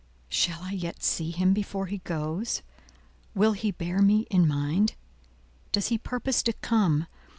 Shall I yet see him before he goes? Will he bear me in mind? Does he purpose to come?